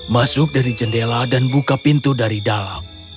masuk dari jendela dan buka pintu dari dalam